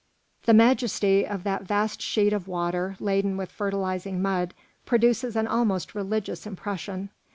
The majesty of that vast sheet of water laden with fertilising mud produces an almost religious impression.